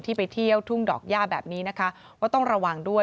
ไปเที่ยวทุ่งดอกย่าแบบนี้นะคะว่าต้องระวังด้วย